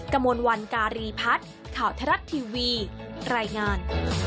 กระมวลวันการีพัฒน์ข่าวทรัฐทีวีรายงาน